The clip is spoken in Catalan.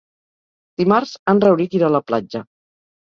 Dimarts en Rauric irà a la platja.